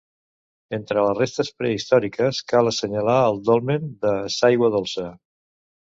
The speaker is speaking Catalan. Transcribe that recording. Entre les restes prehistòriques cal assenyalar el Dolmen de s'Aigua Dolça.